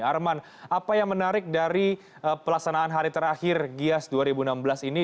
arman apa yang menarik dari pelaksanaan hari terakhir gias dua ribu enam belas ini